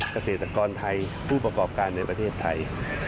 เกษตรกรไทยผู้ประกอบการในประเทศไทย